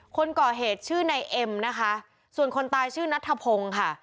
คนก่อเหตุชื่อนายเอ็มนะคะส่วนคนตายชื่อนัทธพงศ์ค่ะ